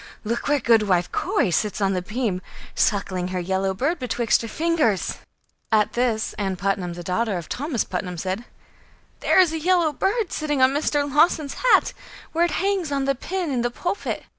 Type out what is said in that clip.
look, where Goodwife Corey sits on the beam, suckling her yellow bird betwixt her fingers!" At this, Ann Putnam, the daughter of Thomas Putnam, said: "There is a yellow bird sitting on Mr. Lawson's hat, where it hangs on the pin in the pulpit."